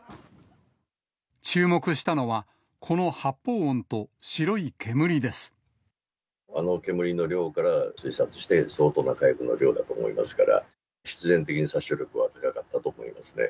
注目したのは、あの煙の量から推察して、相当な火薬の量だと思いますから、必然的に殺傷力は高かったと思いますね。